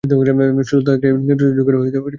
স্থূলতা একটি নেতৃস্থানীয় ঝুঁকির কারণ হিসেবে ভাল।